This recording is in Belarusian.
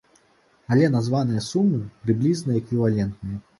Але названыя сумы прыблізна эквівалентныя.